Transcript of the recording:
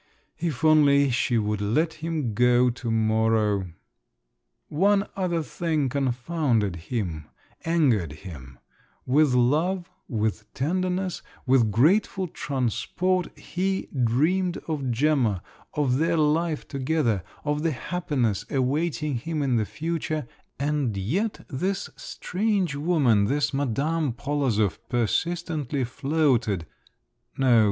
If only she would let him go to morrow! One other thing confounded him, angered him; with love, with tenderness, with grateful transport he dreamed of Gemma, of their life together, of the happiness awaiting him in the future, and yet this strange woman, this Madame Polozov persistently floated—no!